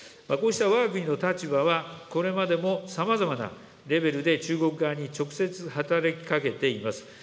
こうしたわが国の立場は、これまでもさまざまなレベルで中国側に直接働きかけています。